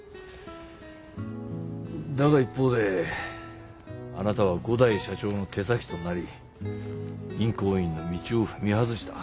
だが一方であなたは五大社長の手先となり銀行員の道を踏み外した。